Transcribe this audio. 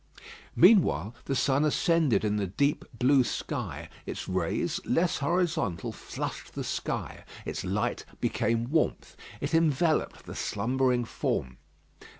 Meanwhile the sun ascended in the deep blue sky; its rays, less horizontal, flushed the sky. Its light became warmth. It enveloped the slumbering form.